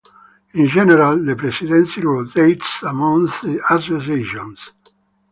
In general the presidency rotates amongst the associations.